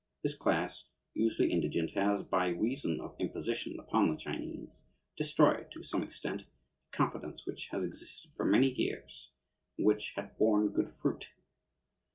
This class, usually indigent, has, by reason of imposition upon the Chinese, destroyed to some extent a confidence which has existed for many years and which had borne good fruit.